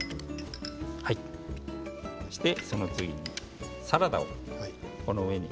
その次にサラダを、この上に。